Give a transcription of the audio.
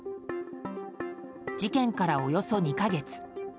事件からおよそ２か月。